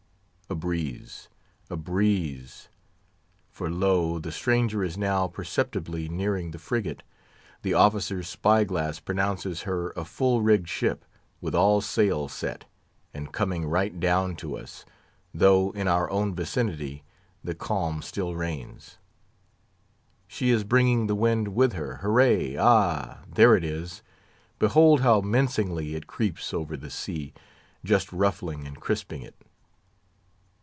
A breeze! a breeze! for lo! the stranger is now perceptibly nearing the frigate; the officer's spy glass pronounces her a full rigged ship, with all sail set, and coming right down to us, though in our own vicinity the calm still reigns. She is bringing the wind with her. Hurrah! Ay, there it is! Behold how mincingly it creeps over the sea, just ruffling and crisping it.